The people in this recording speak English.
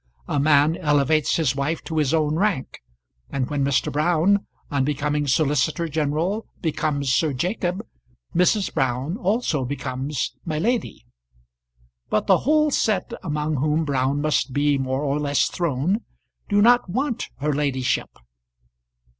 A man elevates his wife to his own rank, and when Mr. Brown, on becoming solicitor general, becomes Sir Jacob, Mrs. Brown also becomes my lady. But the whole set among whom Brown must be more or less thrown do not want her ladyship.